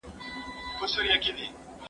زه هره ورځ د سبا لپاره د نوي لغتونو يادوم،